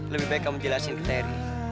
lebih baik kamu jelasin ke terry